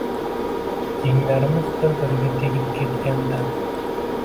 Yenglarimiz bir-biriga tegib ketgan dam